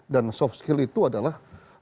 dan soft skill itu adalah